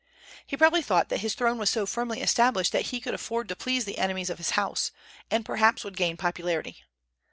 He probably thought that his throne was so firmly established that he could afford to please the enemies of his house, and perhaps would gain popularity.